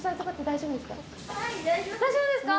大丈夫ですか。